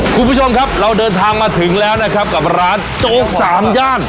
คุณผู้ชมครับเราเดินทางมาถึงแล้วนะครับกับร้านโจ๊กสามย่าน